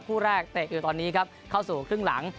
คู่แรกเตะอยู่ตอนนี้ครับเข้าสู่ครึ่งหลัง